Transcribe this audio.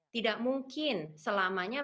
tidak mungkin selamanya